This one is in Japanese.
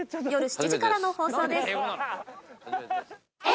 夜７時からの放送です。